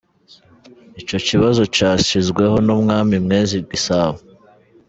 Ico kibanza cashizweho n'umwami Mwezi Gisabo.